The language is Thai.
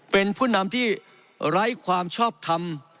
เป็นผู้นำที่ไร้ความชอบทำ